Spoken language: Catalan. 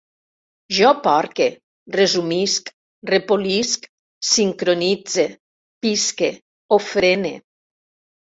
Jo porque, resumisc, repolisc, sincronitze, pisque, ofrene